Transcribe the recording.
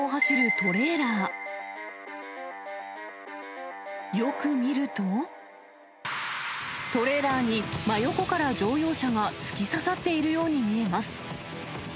トレーラーに真横から乗用車が突き刺さっているように見えます。